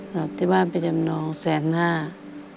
นับที่บ้านเป็นจำนอง๑๐๐๐๐๐บาท